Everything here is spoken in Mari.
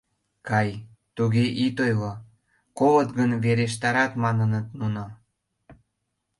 «Кай, туге ит ойло, колыт гын, верештарат», — маныныт нуно.